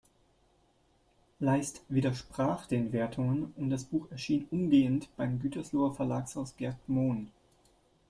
Leist widersprach den Wertungen und das Buch erschien umgehend beim Gütersloher Verlagshaus Gerd Mohn.